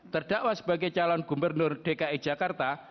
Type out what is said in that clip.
terdakwa sebagai calon gubernur dki jakarta